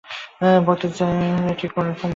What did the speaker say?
ভক্তের চাই ঠিক এই প্রকার ভালবাসা।